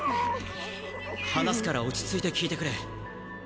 話すから落ち着いて聞いてくれ。